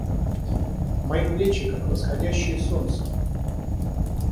Мои плечи, как восходящие солнца!